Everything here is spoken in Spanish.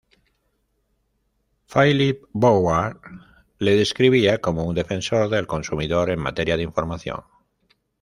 Philippe Bouvard le describía como "un defensor del consumidor en materia de información".